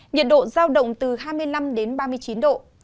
nhiệt độ giao động từ hai mươi năm đến ba mươi chín độ